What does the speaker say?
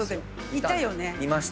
いたよね。